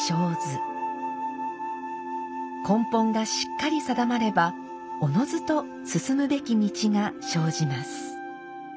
根本がしっかり定まればおのずと進むべき道が生じます。